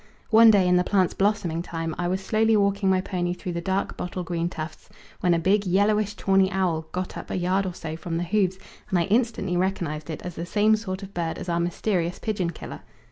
One day in the plant's blossoming time, I was slowly walking my pony through the dark bottle green tufts, when a big yellowish tawny owl got up a yard or so from the hoofs, and I instantly recognized it as the same sort of bird as our mysterious pigeon killer.